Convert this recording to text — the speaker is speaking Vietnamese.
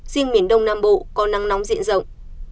riêng miền đông nam bộ có nắng nóng diện rộng